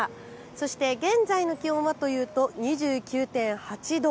そして現在の気温はというと２９．８度。